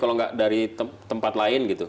kalau nggak dari tempat lain gitu